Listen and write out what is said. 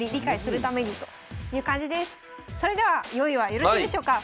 それでは用意はよろしいでしょうか？